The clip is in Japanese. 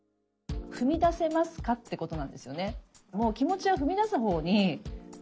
「踏み出せますか？」ってことなんですよね。